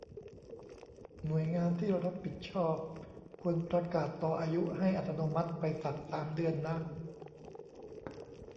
หน่วยงานที่รับผิดชอบควรประกาศต่ออายุให้อัตโนมัติไปสักสามเดือนนะ